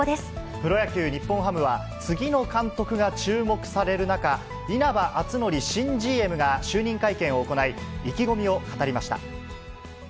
プロ野球・日本ハムは、次の監督が注目される中、稲葉篤紀新ＧＭが就任会見を行い、意気込みを語りました。